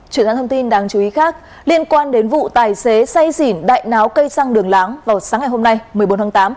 chuyển sang thông tin đáng chú ý khác liên quan đến vụ tài xế say xỉn đại náo cây xăng đường láng vào sáng ngày hôm nay một mươi bốn tháng tám